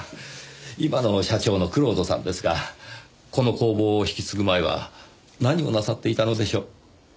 今の社長の蔵人さんですがこの工房を引き継ぐ前は何をなさっていたのでしょう？